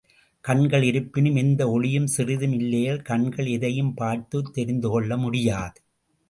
கண்கள் இருப்பினும், எந்த ஒளியும் சிறிதும் இல்லையேல், கண்கள் எதையும் பார்த்துத் தெரிந்துகொள்ள முடியாது.